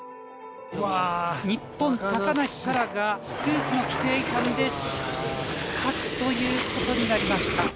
日本・高梨沙羅がスーツの規定違反で失格ということになりました。